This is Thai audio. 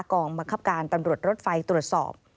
กองบังคับการตำรวจรถไฟตรวจสอบ